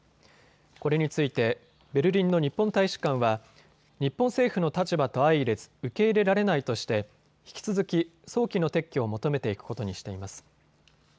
これについてベルリンの日本大使館は日本政府の立場と相いれず受け入れられないとして引き続き、早期の撤去を求めていくことにしています。